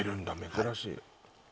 珍しい